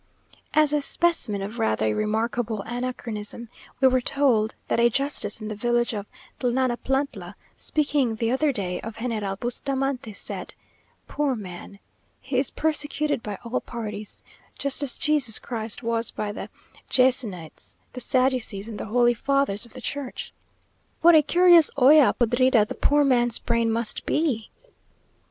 As a specimen of rather a remarkable anachronism, we were told that a justice in the village of Tlanapantla, speaking the other day of General Bustamante, said, "Poor man he is persecuted by all parties, just as Jesús Christ was by the Jansenists, the Sadducees, and the Holy Fathers of the Church!" What a curious olla podrida the poor man's brain must be!